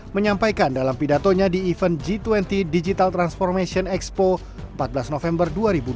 menyampaikan dalam pidatonya di event g dua puluh digital transformation expo empat belas november dua ribu dua puluh